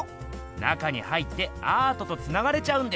中に入ってアートとつながれちゃうんです。